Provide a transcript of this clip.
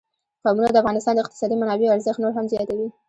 قومونه د افغانستان د اقتصادي منابعو ارزښت نور هم زیاتوي.